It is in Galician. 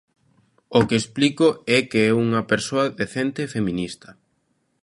O que explico é que unha persoa decente é feminista.